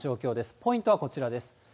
ポイントはこちらです。